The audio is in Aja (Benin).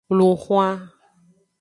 Lun xwan.